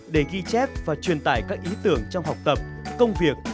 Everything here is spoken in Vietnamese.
để ghi chép và truyền tải các ý tưởng trong học tập công việc